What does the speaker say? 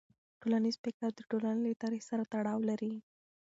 ټولنیز فکر د ټولنې له تاریخ سره تړاو لري.